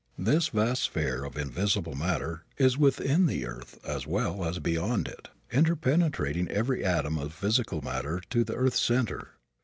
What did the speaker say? This vast sphere of invisible matter is within the earth as well as beyond it, interpenetrating every atom of physical matter to the earth's center.